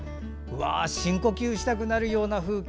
深呼吸したくなるような風景。